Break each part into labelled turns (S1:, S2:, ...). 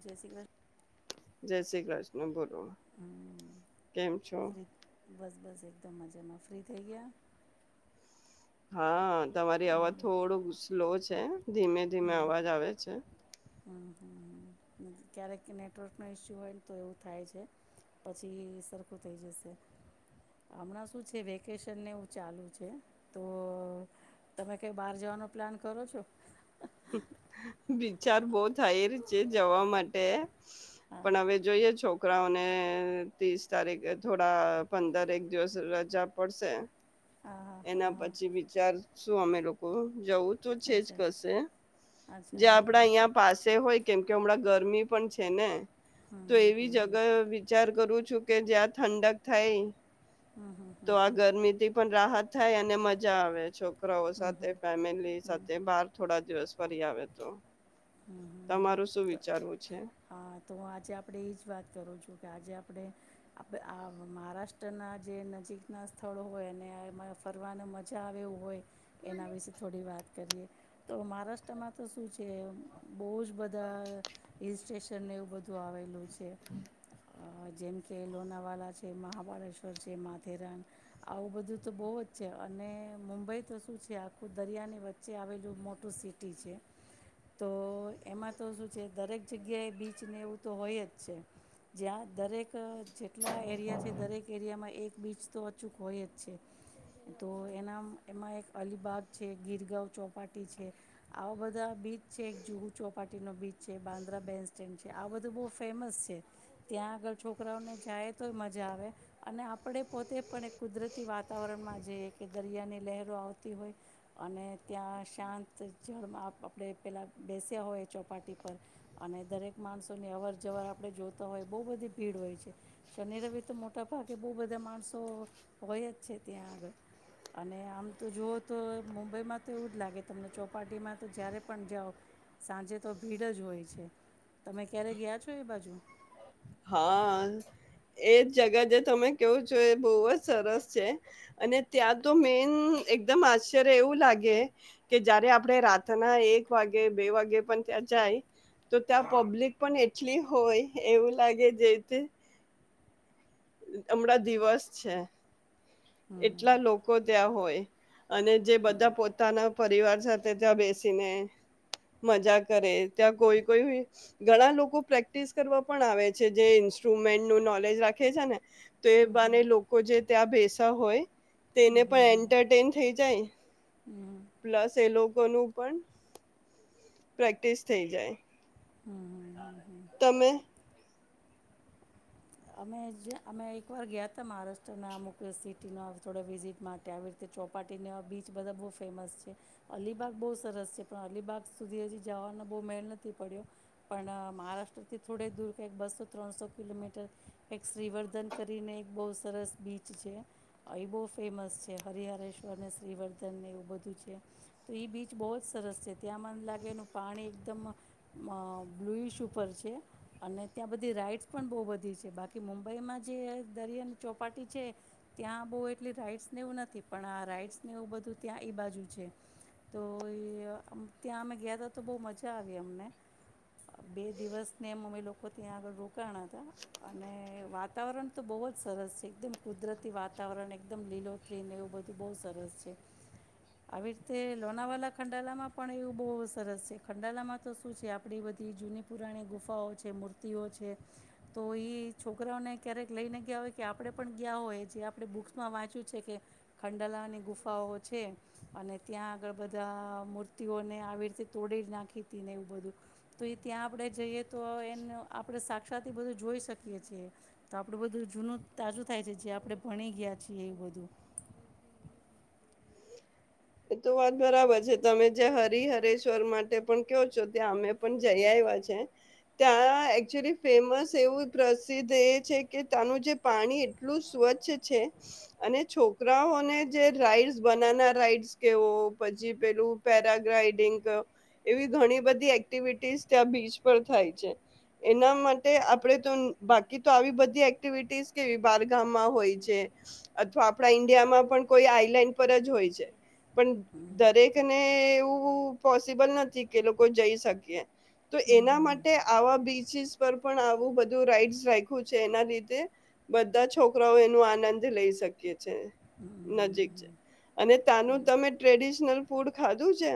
S1: જય શ્રી કૃષ્ણ.
S2: જય શ્રી કૃષ્ણ બો લો
S1: હમ
S2: કેમ છો?
S1: ફ્રી બસ બસ એકદમ મજામાં, ફ્રી થઈ ગયા.
S2: હા તમારી અવાજ
S1: હમ
S2: થોડું સ્લો છે ધીમે-ધીમે અવાજ આવે છે.
S1: હમ્મ હ ક્યારેક નેટવર્કનો ઇસ્યુ હોય ને તો એવું થાય છે પછી સરખું થઈ જશે, હમણાં શું છે વેકેશનને એવું ચાલુ છે તો તમે કંઈ બહાર જવાનો પ્લાન કરો છો?
S2: વિચાર બહ થાય ર છે જવા માટે
S1: હા
S2: પણ હવે જોઈએ છોકરાઓને ત્રીસ તારીખે થોડા પંદર એક દિવસ રજા પડશે
S1: હા હા હા
S2: એના પછી વિચાર શું અમે લોકો જવું. તો
S1: હા
S2: છેજ
S1: અચ્છા
S2: કરશે.
S1: અચ્છા
S2: જે
S1: હમ
S2: આપડા અહીયા પાસે હોય કેમ કે. થોડા ગરમી પણ છે ને.
S1: હમ
S2: તો
S1: હમ
S2: એવી જગ
S1: હમ
S2: વિચાર કરું છું. કે જ્યાં ઠંડક થાય.
S1: હમ હમ હમ
S2: તો
S1: હમ
S2: આ
S1: હમ
S2: ગરમીથી પણ રાહત થાય અને મજા આવે છોકરાઓ
S1: હમ હમ હમ
S2: સાથે
S1: હમ
S2: ફેમિલી
S1: હમ
S2: સાથે બાર થોડા દિવસ. ફરી આવે તો.
S1: હમ
S2: તમારું શું
S1: હમ
S2: વિચારવું છે?
S1: હા તો હું આજે આપડે એજ વાત કરું છું. કે આજે આપણે આ મહારાષ્ટ્રના જે નજીકનાં સ્થળો હોય અને એમાં ફરવાનો મજા આવે હોય. એના વિશેે થોડી વાત કરીએ. તો મહારાષ્ટ્રમાં તો શું છે. બહ જ બધા હિલ સેશ. ચેન્નઈવું બધું આવેલું છે. કે. જેમ કે લોણાવાલા છે મહાબાળેશ્વર છે માથેરાન આવું બધું તો બહુ જ છે અને મુંબઈ તો શું છે આખું દરિયાની વચ્ચે આવેલું મોટું સિટી છે. તો એમાં તો શું છે દરેક જગ્યાએ બીચને એવું તો હોય જ છે જ્યાં દરેક. જેટલા એરિયા છે દરેક એરિયામાં એક. બીચ તો અચૂક હોય જ છે તો એના એમાં એક અલીિબાગ છે ગીરગાં ચોપાટી છે આવા બધા બીચ. છે એક જુહુ ચોપાટીનો બીચ છે બાંદ્રા બેસ સ્ટેન્ડ છે આ બધું બહુ ફેમસ છે ત્યાં આગળ છોકરાઓને જાય તોય મજા આવે અને આપણે પોતે પણ એક કુદરતી વાતાવરણમાં જઈએ કે દરિયાની લહેરો આવતી હોય અને ત્યાં શાંત જળ આપણે. પેલાં બેસ્યા હોય ચોપાટી પર અને દરેક માણસોની અવર જવર આપણે જોતા હોય બહુ બધી ભીડ હોય છે શનિ રવિ તો મોટાભાગે બહુ બધા માણસો હોય જ છે ત્યાં આગળ અને આમ તો જુઓ તો મુંબઈમાં તો એવું જ લાગે તમને ચોપાટીમાં તો જ્યારે. પણ જાઓ સાંજે તો ભીડ જ હોય છે તમે ક્યારે ગયા છો એ બાજુ.
S2: હા એ જ જગા જે તમે કેવું છો એ બહુ જ સરસ છે અને ત્યાં તો મેન એકદમ આશ્ચર્ય એવું લાગે કે જયારે આપણે રાતના એક વાગે બે વાગે પણ ત્યાં જાય તો ત્યાં પબ્લિક પણ એટલી હોય એવું. લાગે જઈથી. હમણાં દિવસ છે.
S1: હમ
S2: એટલા લોકો. ત્યાં હોય અને જે
S1: હમ
S2: બધા પોતાના પરિવાર સાથે ત્યાં બેસીને મજા કરે ત્યાં કોઈ કોઈ ઘણા લોકો પ્રેક્ટિસ કરવા પણ આવે છે જે ઈન્સ્ટ્રુમેન્ટ નું નોલેજ રાખે છે ને. તો એ બાને લોકો જે. ત્યા બેસ. હોય તેને પણ એન્ટરટેન થઈ જાય પ્લસ એ લોકોનું પણ પ્રેક્ટિસ થઈ જાય.
S1: હમ.
S2: તમે.
S1: અમે જે અમે એકવાર ગયા હતા મહારાષ્ટ્રના અમુક સિટીનો થોડ વિઝિટ માટે આવી રીતે ચોપાટીને બીચ બધા બહુ ફેમસ છે અલીબાગ બહુ સરસ છે પણ અલીબાગ સુધી હજી જવાનો બહુ મેલ નથી પડ્યો પણ મહારાષ્ટ્રથી થોડે દૂર કંઈક બસો ત્રણસો કિલોમીટર. એક શ્રીવર્ધન કરીને એક બહુ સરસ બીચ છે એ બહુ ફેમસ છે હરિહરેશ્વરને શ્રીવર્ધનને એવું બધું છે તો એ બીચ બહુ જ સરસ છે ત્યાં મને લાગેનું પાણી એકદમ બ્લુ ઇશ ઉપર છે અને ત્યાં બધી રાઈટ્સ પણ બહુ બધી છે. બાકી મુંબઈમાં જે દરિયાની ચોપાટી છે ત્યાં બહુ એટલી રાઈડ્સને એવું નથી પણ આ રાઈડ્સને એવું બધું ત્યાં એ બાજુ છે તો એ ત્યાં અમે ગયા હતા તો બહુ મજા આવી અમને બે દિવસને એમ અમે લોકો ત્યાં આગળ રોકાણા હતા. અને વાતાવરણ તો બહુ જ સરસ છે એકદમ કુદરતી વાતાવરણ એકદમ લીલોતરીન એવું બધું બહુ સરસ છે આવી રીતે લોણાવાલા ખંડાલામાં પણ એવું બહુ સરસ છે ખંડાલામાં તો શું છે આપણી બધી જૂની પુરાણી ગુફાઓ છે મૂર્તિઓ છે. તો એ છોકરાઓને ક્યારેક લઈને ગયા હોય કે આપણે પણ ગયા હોય જે આપણે બુક્સમાં વાંચ્યું છે કે ખંડાલાની ગુફાઓ છે અને ત્યાં આગળ બધા મૂર્તિઓને આવી રીતે તોડી નાખી હતી ને એવું બધું તો એ ત્યાં આપણે જઈએ. તો એને આપણે શ. સાથે થી બધ જોઈ શકીએ છીએ તો આપડું બધું જૂનું તાજું થાય છે જે આપણે ભણી ગયા છીએ એ બધું.
S2: એ તો વાત બરાબર છે તમે જ્યા હરિહરેશ્વર માટે પણ કહો છો ત્યાં અમે પણ જઈ આવ્યા છે. ત્યાં એકચુલી ફેમસ એવું પ્રસિદ્ધ એ છે કે ત્યાંનું જે પાણી એટલું સ્વચ્છ છે અને છોકરાઓને જે રાઈડ્સ બનાના રાઈડ્સ. કેવો પછી પેલું પેરાગ્લાઈડિંગ એવી ઘણી બધી એક્ટિવિટીસ ત્યાં બીચ પર થાય છે, એના માટે આપણેે તો બાકી તો આવી બધી એક્ટિવિટીસ કેવી બાર ગામમાં હોય છે અથવા આપણા ઈન્ડિયામાં પણ કોઈ આઈલેન્ડ પર જ હોય છે. પણ
S1: હમ
S2: દરેકને એવું પોસિબલ નથી કે લોકો જઈ શકીએ, તો એના માટે આવા બીચસ પર પણ આવું બધું રાઈડ્સ રાખું છે, એના લીધે બધા છોકરાઓ એનો આનંદ લઈ શકીએ છે
S1: હમ
S2: નજીક છે અને તાનું. તમે ટ્રેડિશનલ ફૂડ ખાધું છે?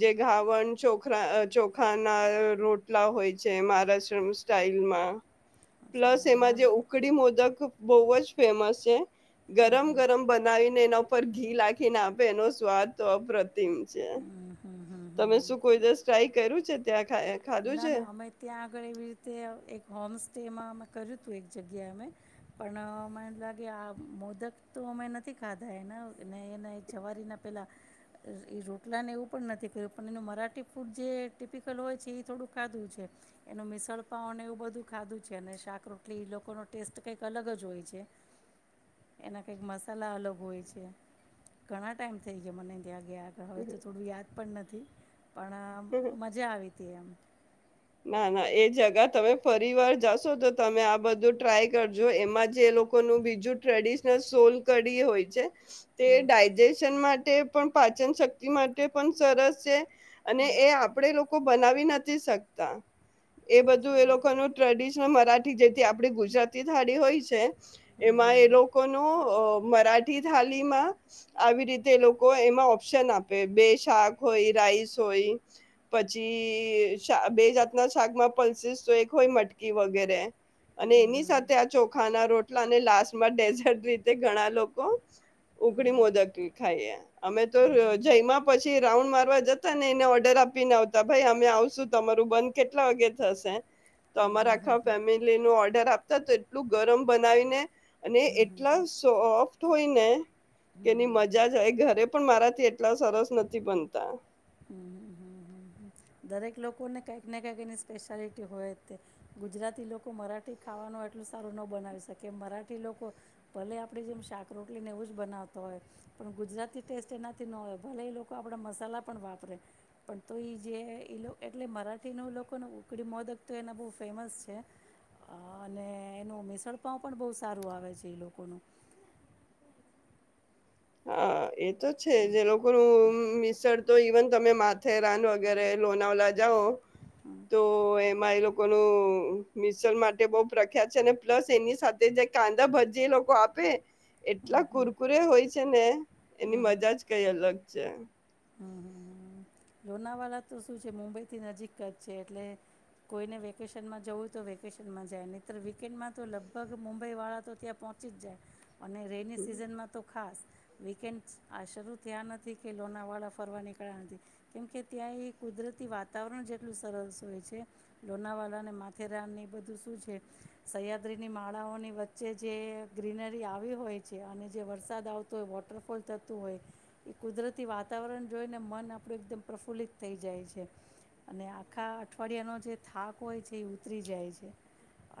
S2: જે ગાવણ, ચોખરા, ચોખા ના રોટલા હોય છે મહારાષ્ટ્ર સ્ટાઈલમાં.
S1: અચ્છા
S2: પ્લસ એમાં
S1: ના
S2: જે
S1: ના
S2: ઉકડી મોદક. બહુ જ ફેમસ છે. ગરમ-ગરમ બનાવીને એના. પર ઘી લાગે ના એનો સ્વાદ તો અપ્રતિમ છે,
S1: હમ હમ હમ
S2: તમે શું કોઈ
S1: હમ
S2: દસ ટ્રાય કર્યું છે ત્યા?
S1: ના ના અમે ત્યાં આગળ એવી રીતે એક હોમ તે એમાં અમે કર્યું હતું એક જગ્યાએ અમે પણ મને એમ લાગે આ મોદક તો અમે નથી ખાધા એના, ને એને જવારીના પહેલાં એ રોટલાને એવું પણ નથી કર્યું પણ એનું મરાઠી ફૂડ જે ટિપિકલ હોય છે એ. થોડું ખાધું છે એનું મિસળપાવન એવું બધું ખાધું છે, અને શાકરોટલી એ લોકોનો ટેસ્ટ કંઈક અલગ જ હોય છે, એના કંઈક મસાલા અલગ હોય છે ઘણા ટાઈમ થઈ ગાય મને. ત્યાં ગયા આગળ હવે તો થોડું યાદ પણ નથી. પણ મજા આવી. એમ.
S2: ના ના એ જગા તમે ફરી વાર જાશો તો તમે આ બધું ટ્રાય કરજો એમાં જે એ લોકોનું બીજું ટ્રેડિશનલ સોલ કડી હોય છે. તે
S1: હમ
S2: ડાયજેશન મા તે પણ પાચન શક્તિ માટે પણ સરસ છે. અને એ આપડે લો લોકો બનાવી નથી શક તા. એ બધું
S1: અચ્છા
S2: એ
S1: હમ
S2: લોકો ન ટ્રેડિ મરાઠી જેથી આપડી ગુજરાતી થાળી હોય છે. એમાં એ લોકો નું અ. મરાઠી થાળીમાં આવી રીતે એ લોકો એમાં ઓપ્શન આપે બે શાક હોય રાઈસ હોય પછી સ બે જાતના શાકમાં પલ્સીસ તો એક હોય મટકી વગેરે. અને એની સાથે આ ચોખા ના રોટ અને લાસમાં ડેઝર્ટ રીતે ઘણા લોકો ઉકડી મોદક કી ખાઈએ. અમે તો જયમાં પછી રાઉન્ડ મારવા જતા ને એને ઓર્ડર આપી ના આવતા ભાઈ અમે આવશું. તમારું બંધ કેટલા વાગે થશે. તો અમારે આખા ફેમિલી નો ઓર્ડર આપ સતત એટલું ગરમ બનાવીને અને એટલા સોફ્ટ હોય ને કે એની મજા જાય ઘરે પણ મારાથી એટલા સરસ નથી બનતા.
S1: દરેક લોકોને કઈક ને કઈક એની સ્પેશ્યાલિટી હોય તે ગુજરાતી લોકો મરાઠી ખાવાનું એટલું સારું ન બનાવી શકે મરાઠી લોકો ભલે આપણી જેમ શાક રોટલી ને એવું જ બનાવતા હોય પણ ગુજરાતી ટેસ્ટ એનાથી ન હોય ભલે એ લોકો આપણા મસાલા પણ વાપરે પણ તો એ જે એટલે મરાઠીનું લોકોને ઉકડી મોદક તો એના બહુ ફેમસ છે અને એનું મિસડ પાવ પણ બહુ સારું આવે છે ઈ લોકોનું.
S2: હા એજ. એતો છે જે લોકોનું મિસડ તો ઈવન તમે માથેરાન વગેરે લોનાવલા જાઓ તો એમાં એ લોકોનું મિસડ માટે બહું પ્રખ્યાત છે અને પ્લસ એની સાથે જે કાંદા ભજી એ લોકો આપે એટલા કુરકુરે હોય છેને એની મજા જ કઈ અલગ છ
S1: લોનાવાળા તો શું છે મુંબઈથી નજીક જ છે, એટલે કોઈને વેકેશનમાં જવું તો વેકેશનમાં જાય નહી તર વીકેન્ડમાં તો લગભગ મુંબઈ વાળા તો ત્યાં પહોંચી જ જાય. અને રેની
S2: હમ
S1: સિઝનમાં તો ખાસ. વીકેન્ડ આ શરૂ થયા નથી કે લોનાવાળા ફરવા નીકળ્યા નથી. કેમકે ત્યાં એ કુદરતી વાતાવરણ જેટલું સરસ હોય છે, લોનાવાલા અને માથેરાનની બધું શું છે સહયાદ્રીની માળાઓની વચ્ચે જે ગ્રીનરી આવી હોય છે અને જે વરસાદ આવતો હોય વોટરફોલ થતું હોય એ કુદરતી વાતાવરણ જોઈને મન આપણું એકદમ પ્રફુલ્લિત થઈ જાય છે અને આખા અઠવાડિયાનો જે થાક હોય છે એ ઉતરી જાય છે,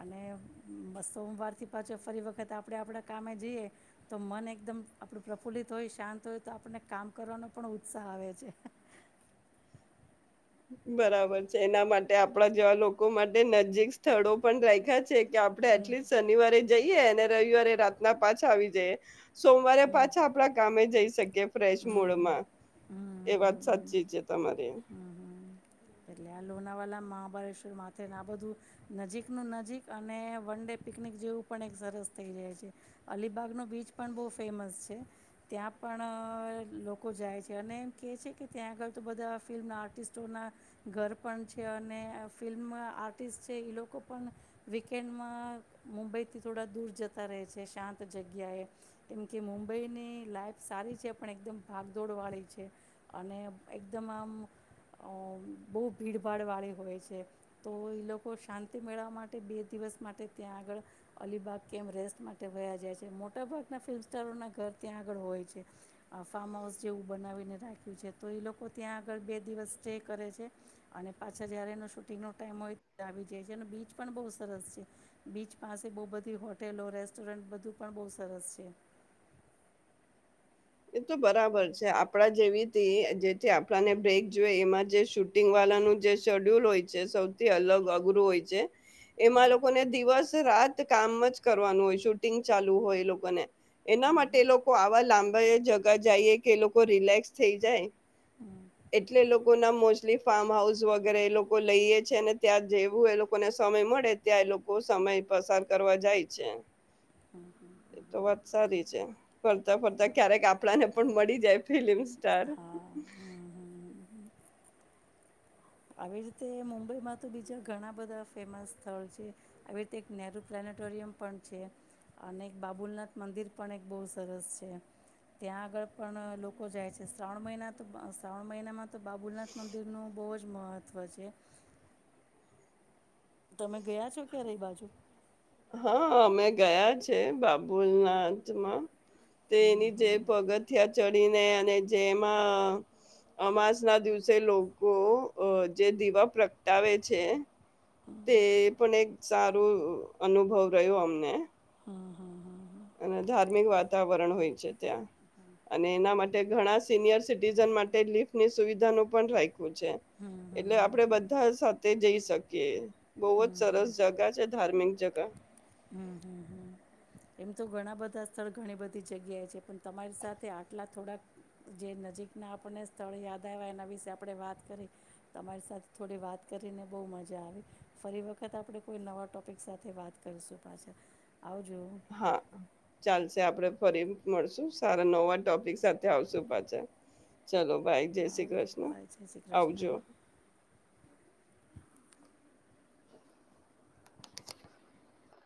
S1: અને બ સોમવારથી પાછો ફરી વખત આપણે આપણા કામે જઈએ તો મન એકદમ આપણું પ્રફુલ્લિત હોય શાંત હોય તો આપણને કામ કરવાનો પણ ઉત્સાહ આવે છે.
S2: બરાબર છે એના માટે આપડા જેવા લોકો માટે નજીક સ્થળો પણ રાખ્યા છે. કે આપણેે એટલીસ્ટ શનિવારે જઈ એ અને રવિવારે રાતના પાછા આવી જાય. સોમવારે
S1: હમ
S2: પાછા આપડા કામે જઈ શકીએ. ફ્રેશ
S1: હમ હમ હમ
S2: મૂળમાં
S1: હમ
S2: એ વાત
S1: હમ હમ
S2: સાચી. જે તમારે એમ
S1: હમ હમ એટલે આ લોનાવાલા મહાબલેશ્વર માથે આ બધું નજીકનું નજીક અને વન ડે પિકનિક જેવું પણ એક સરસ થઈ જાય છે. અલીબાગનો બીચ પણ બહુ ફેમસ છે ત્યાં પણ લોકો જાય છે અને એમ કહે છે કે ત્યાં આગળ તો બધા ફિલ્મના આર્ટિસ્ટોના ઘર પણ છે અને ફિલ્મ આર્ટિસ્ટ છે એ લોકો પણ વીકેન્ડમાં મુંબઈથી થોડા દૂર જતા રહે છે, શાંત જગ્યાએ કેમકે મુંબઈની લાઈફ સારી છે પણ એકદમ ભાગદોડવાળી છે અને એકદમ આમ અ બહુ ભીડભાડવાળી હોય છે તો એ લોકો શાંતિ મેળવવા માટે બે દિવસ માટે ત્યાં આગળ અલીબાગ કેમ રેસ્ટ માટે વ્યા જાય છે. મોટાભાગના ફિલ્મસ્ટારોનાં ઘર ત્યાં આગળ હોય છે આ ફાર્મ હાઉસ જેવું બનાવીને રાખ્યું છે, તો એ લોકો ત્યાં આગળ બે દિવસ સ્ટે કરે છે. અને પાછા જયારે એનો શૂટિંગનો ટાઈમ હોય ત આવી જાય છે અને બીચ પણ બહુ સરસ છે, બીચ પાસે બહુ બધી હોટેલો રેસ્ટોરન્ટ બધું પણ બહ સરસ છે.
S2: એ તો બરાબર છે આપડા જેવી જેથી આપણાને બ્રેક જોય એમાં જે શૂટિંગ વાળાનું જે શેડ્યુલ હોય છે સૌથી અલગ અઘરું હોય છે, એમાં લોકોને દિવસ-રાત કામ જ કરવાનું હોય શૂટિંગ ચાલુ હોય એ લોકોને એના માટે એ લોકો આવા લાંબ જગા જઈએ કે એ લોકો રિલેક્સ થઈ જાય એટલે લોકો ના મોસ્ટલી ફાર્મ હાઉસ વગેરે એ લોકો લઈએ છે, ને ત્યાં જેવું એ લોકોને સમય મળે ત્યાં એ લોકો સમય પસાર કરવા જાય છે, એ તો વાત સારી છે ફરતા ફરતા ક્યારેક આપણાને પણ મળી જાય ફિલ્લમ સ્ટાર.
S1: હા હમ હમ હમ. આવી રીતે મુંબઈમાં તો બીજા ઘણા બધા ફેમસ સ્થળ છે. આવી રીતે એક નહેરુ પ્લાનેટોરિયમ પણ છે, અને એક બાબુલનાથ મંદિર પણ એક બહુ સરસ છે ત્યાં આગળ પણ લોકો જાય છે શ્રાવણ મહિના તો શ્રાવણ મહિનામાં તો બાબુલનાથ મંદિરનું બહુ જ જ મહત્ત્વ છે તમે ગયા છો ક્યારેય એ બાજુ
S2: હા અમે ગયા છીએ બાબુલનાથમાં. તે એની જે પગત હઠયા ચડીને અને જેમાં અમાસ ના દિવસે લોકો જે દીવા પ્રગટાવે છે તે પણ એક સારું અનુભવ રહ્યો અમને અને ધાર્મિક વાતાવરણ હોય છે ત્યાં અને એના માટે ઘણા સિનિયર સિટીઝન માટે લિફની સુવિધાનું પણ રાખ્યું છે એટલે આપડે બધા સાથે જઈ શકીએ બહુ જ સરસ જગા છે ધાર્મિક જગા
S1: હમ હમ હમ એમ તો ઘણા બધા સ્થળ ઘણી બધી જગ્યાએ છે પણ તમારી સાથે આટલા થોડાક જે નજીકના આપણને સ્થળ યાદ આવ્યા એના વિશે આપણે વાત કરી તમારી સાથે થોડી વાત કરીને બહુ મજા આવી ફરી વખત આપણે કોઈ નવા ટોપિક સાથે વાત કરીશું. પાછ [inaudible]
S2: હા ચાલ [unintelligible] આપડણે ફરી મળશું સારા નવા ટોપિક સાથે આવશુ પાછા ચલો ભાઈ. જય શ્રી
S1: આવજો
S2: કૃષ્ણ
S1: બાય જય શ્રી કૃષ્ણ
S2: આવજો.